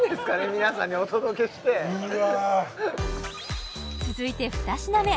皆さんにお届けしてうわっ続いて２品目